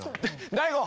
大悟！